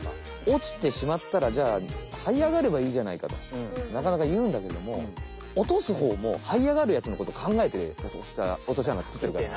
おちてしまったらじゃあはいあがればいいじゃないかとなかなかいうんだけどもおとすほうもはいあがるやつのことかんがえておとしあなつくってるから！